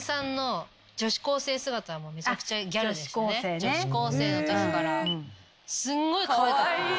女子高生の時からすんごいかわいかったんです。